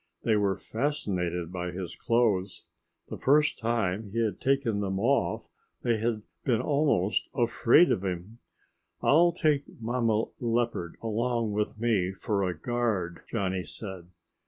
They were fascinated by his clothes. The first time he had taken them off they had been almost afraid of him. "I'll take Mama Leopard along with me for a guard," Johnny said.